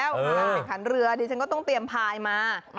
การแข่งขันเรือดิฉันก็ต้องเตรียมพายมา